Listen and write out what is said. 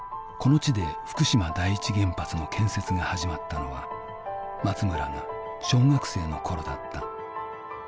この地で福島第一原発の建設が始まったのは松村が小学生の頃だった。